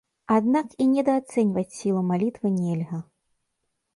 Аднак і недаацэньваць сілу малітвы нельга.